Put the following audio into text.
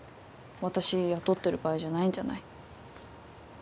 私雇ってる場合じゃないんじゃないの？